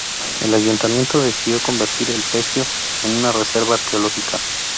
El ayuntamiento decidió convertir el pecio en una reserva arqueológica.